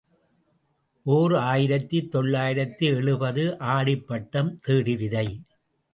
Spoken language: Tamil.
ஓர் ஆயிரத்து தொள்ளாயிரத்து எழுபது ஆடிப்பட்டம் தேடி விதை.